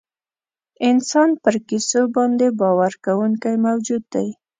انسان پر کیسو باندې باور کوونکی موجود دی.